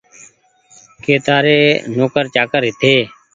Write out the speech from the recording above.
ڪي تآري نوڪر چآڪر هيتي